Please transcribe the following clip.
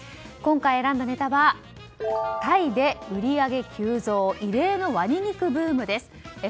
今回、選んだネタはタイで売り上げ急増異例のワニ肉ブームです。